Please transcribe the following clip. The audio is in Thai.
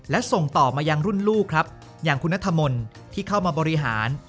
และส่งต่อมายังรุ่นลูกครับอย่างคุณนัทมนต์ที่เข้ามาบริหาร